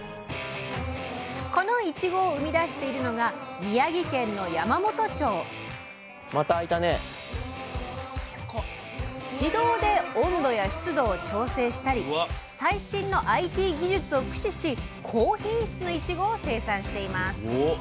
このいちごを生み出しているのが自動で温度や湿度を調整したり最新のＩＴ技術を駆使し高品質のいちごを生産しています。